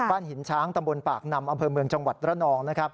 บ้านหินช้างตำบลปากนำอำเภอเมืองจังหวัดระนอง